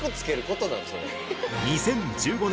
２０１５年